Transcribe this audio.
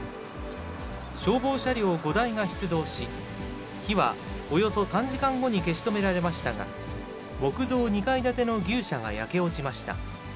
消防車両５台が出動し、火はおよそ３時間後に消し止められましたが、木造２階建ての牛舎が焼け落ちました。